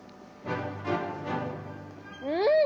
うん！